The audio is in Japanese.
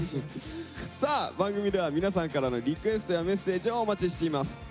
さあ番組では皆さんからのリクエストやメッセージをお待ちしています。